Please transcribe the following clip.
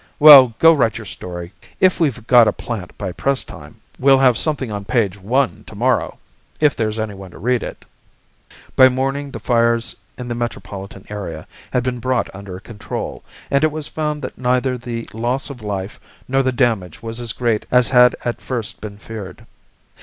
Well, go write your story. If we've got a plant by press time, we'll have something on page one to morrow if there's anyone to read it." By morning the fires in the metropolitan area had been brought under control and it was found that neither the loss of life nor the damage was as great as had at first been feared.